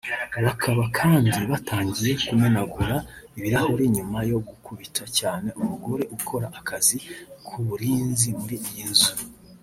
Bakaba kandi batangiye kumenagura ibirahuri nyuma yo gukubita cyane umugore ukora akazi k’uburinzi muri iyi nzu